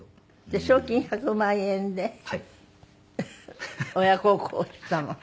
賞金１００万円で親孝行したの？